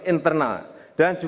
saya cuma berpikir ke farannya